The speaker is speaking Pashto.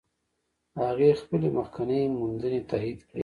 هغې خپلې مخکینۍ موندنې تایید کړې.